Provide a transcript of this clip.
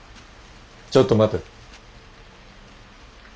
ちょっと待て。